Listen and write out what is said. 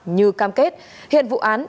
như cam kết hiện vụ án